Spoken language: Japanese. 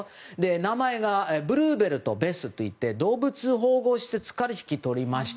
名前がブルーベルとベスといって動物保護施設から引き取りました。